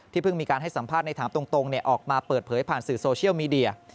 เพิ่งมีการให้สัมภาษณ์ในถามตรงออกมาเปิดเผยผ่านสื่อโซเชียลมีเดีย